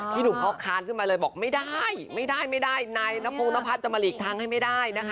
พี่หนุ่มเขาค้านขึ้นมาเลยบอกไม่ได้ไม่ได้ไม่ได้นายนัพพงศ์นัพพัดจะมาหลีกทั้งให้ไม่ได้นะคะ